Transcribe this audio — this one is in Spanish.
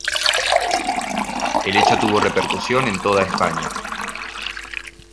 El hecho tuvo repercusión en toda España.